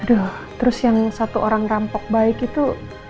aduh terus yang satu orang rampok baik itu